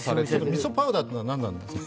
みそパウダーというのは何なんですか？